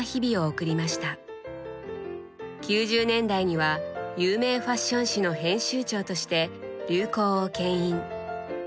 ９０年代には有名ファッション誌の編集長として流行をけん引。